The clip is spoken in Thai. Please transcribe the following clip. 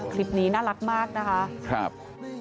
คลิปนี้น่ารักมากนะคะ